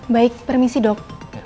baik permisi dok